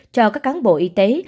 cho các cán bộ y tế